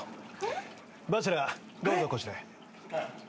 バチェラーどうぞこちらへ。